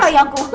ah kayak aku